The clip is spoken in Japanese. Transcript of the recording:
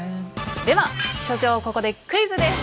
では所長ここでクイズです。